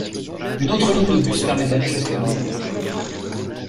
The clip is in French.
Une autre ligne de bus permet d'aller jusqu'à Mulhouse.